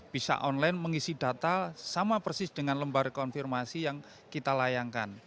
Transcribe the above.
bisa online mengisi data sama persis dengan lembar konfirmasi yang kita layangkan